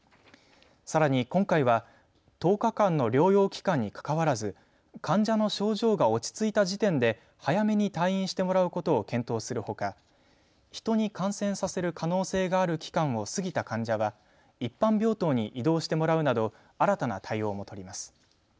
さらに今回は１０日間の療養期間にかかわらず患者の症状が落ち着いた時点で早めに退院してもらうことを検討するほか人に感染させる可能性がある期間を過ぎた患者は一般病棟に移動してもらうなど新たな対応も取ります。